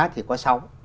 thì có sáu